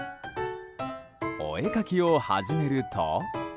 お絵描きを始めると。